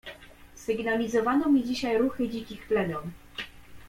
"„Sygnalizowano mi dzisiaj ruchy dzikich plemion."